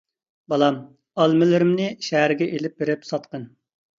بالام، ئالمىلىرىمنى شەھەرگە ئېلىپ بېرىپ ساتقىن.